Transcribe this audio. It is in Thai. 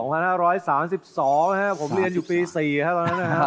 ผมเรียนอยู่ปี๔ครับตอนนั้นนะครับ